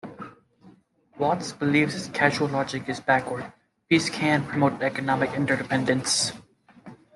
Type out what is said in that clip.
Waltz believes this causal logic is backward: Peace can promote economic interdependence.